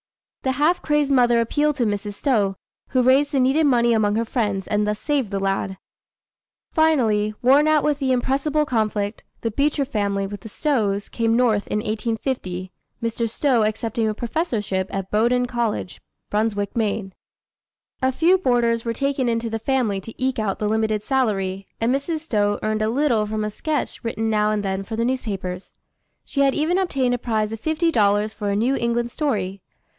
The half crazed mother appealed to Mrs. Stowe, who raised the needed money among her friends, and thus saved the lad. Finally, worn out with the "irrepressible conflict," the Beecher family, with the Stowes, came North in 1850, Mr. Stowe accepting a professorship at Bowdoin College, Brunswick, Maine. A few boarders were taken into the family to eke out the limited salary, and Mrs. Stowe earned a little from a sketch written now and then for the newspapers. She had even obtained a prize of fifty dollars for a New England story.